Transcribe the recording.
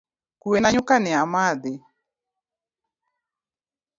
Kue na nyuka ni amadhi